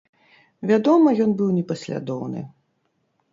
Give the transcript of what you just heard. Вядома, ён быў непаслядоўны.